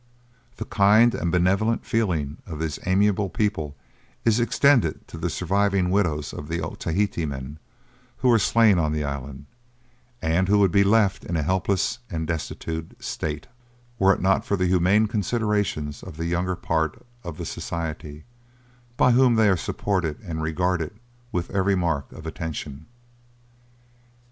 The kind and benevolent feeling of these amiable people is extended to the surviving widows of the Otaheite men who were slain on the island, and who would be left in a helpless and destitute state, were it not for the humane consideration of the younger part of the society, by whom they are supported and regarded with every mark of attention.